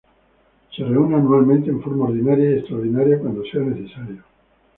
Se reúne anualmente en forma ordinaria y extraordinaria cuando sea necesario.